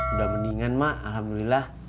udah mendingan mak alhamdulillah